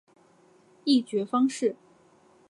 议决方式